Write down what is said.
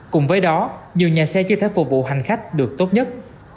cùng với đó nhiều nhà xe chưa thể phục vụ hành khách được tốt nhất